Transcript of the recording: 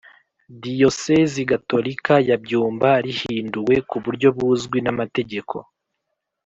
Diyosezi Gatolika ya Byumba rihinduwe ku buryo buzwi namategeko